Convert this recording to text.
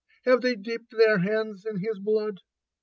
Have they dipped their hands in his blood